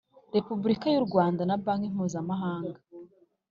Repubulika y u Rwanda na Banki Mpuzamahanga